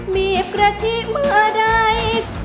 มีบะทิเมื่อใด